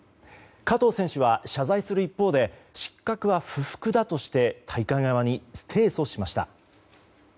加藤選手は謝罪する一方で失格は不服だとして大会側に提訴しました。